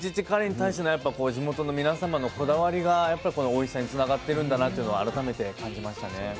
カレイに対しての地元の皆様のこだわりがこのおいしさにつながってるんだなっていうのを改めて感じましたね。